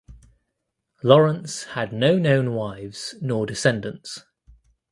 Lawrence had no known wives nor descendants.